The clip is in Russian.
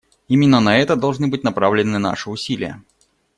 Именно на это должны быть направлены наши усилия.